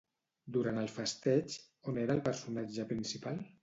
Durant el festeig, on era el personatge principal?